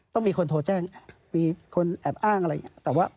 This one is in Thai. ต้องมีคนโทรแจ้งมีคนแอบอ้างอะไรอย่างนี้